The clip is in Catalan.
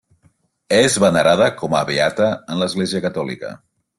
És venerada com a beata en l'Església catòlica.